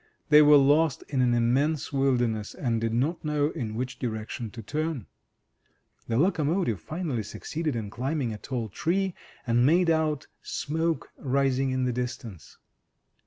They were lost in an immense wilderness, and did not know in which direction to turn. The locomotive finally succeeded in climbing a tall tree, and made out smoke rising in the distance.